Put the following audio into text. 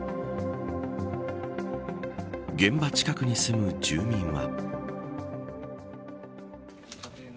現場近くに住む住民は。